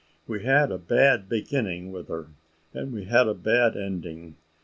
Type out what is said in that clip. "We had a bad beginning with her, and we had a bad ending.